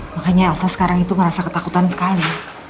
makanya elsa sekarang itu merasa ketakutan sekali